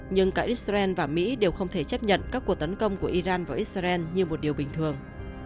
nhưng cả israel và mỹ đều không thể chấp nhận các cuộc tấn công của iran vào israel như một điều bình thường